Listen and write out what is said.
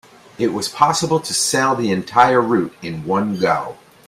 It was possible to sail the entire route in one go.